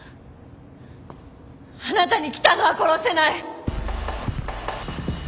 あなたに喜多野は殺せない。